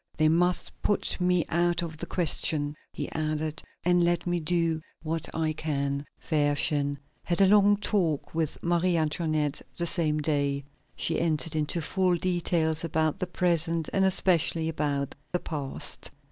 "They must put me out of the question," he added, "and let me do what I can." Fersen had a long talk with Marie Antoinette the same day. She entered into full details about the present and especially about the past.